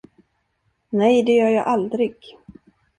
Nej, det gör jag aldrig!